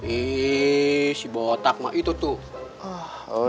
ih si botak mak itu tuh